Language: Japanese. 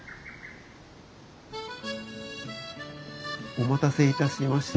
お待たせいたしました。